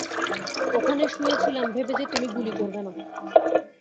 ওখানে শুয়ে ছিলাম ভেবে যে, তুমি গুলি করবে না।